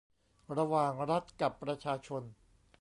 ระหว่างรัฐกับประชาชน